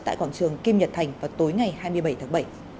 tại quảng trường kim nhật thành vào tối ngày hai mươi bảy tháng bảy